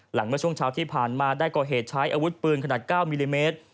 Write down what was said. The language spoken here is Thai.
เมื่อช่วงเช้าที่ผ่านมาได้ก่อเหตุใช้อาวุธปืนขนาด๙มิลลิเมตร